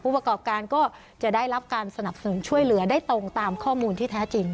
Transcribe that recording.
ประกอบการก็จะได้รับการสนับสนุนช่วยเหลือได้ตรงตามข้อมูลที่แท้จริง